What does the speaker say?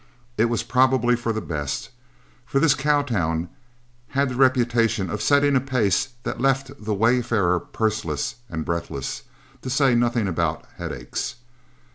It was probably for the best, for this cow town had the reputation of setting a pace that left the wayfarer purseless and breathless, to say nothing about headaches.